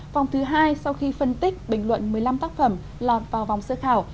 vòng thứ hai sau khi phân tích bình luận một mươi năm tác phẩm lọt vào vòng sơ khảo